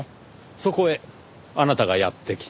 そこへあなたがやって来た。